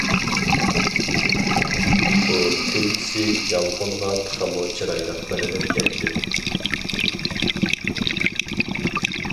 بۇ كۈلكىسى يالقۇنغا تېخىمۇ چىرايلىق بىلىنىپ كەتتى.